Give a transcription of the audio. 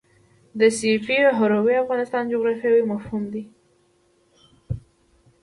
د سیفي هروي افغانستان جغرافیاوي مفهوم دی.